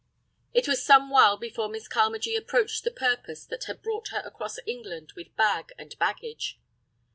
It was somewhile before Miss Carmagee approached the purpose that had brought her across England with bag and baggage.